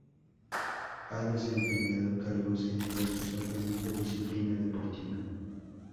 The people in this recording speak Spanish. Ha desempeñado cargos en diversos órganos de disciplina deportiva.